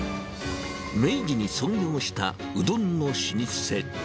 明治に創業したうどんの老舗。